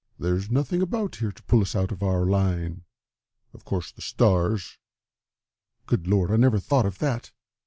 "There's nothing about here to pull us out of our line. Of course the stars good Lord, I never thought of that!